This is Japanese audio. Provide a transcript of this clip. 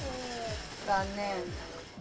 残念。